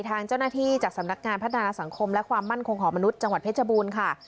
ทางเจ้าหน้าที่จากสำนักงานพัฒนาสังคมและความมั่นคงของมนุษย์จังหวัดเพชรบูรณ์ค่ะ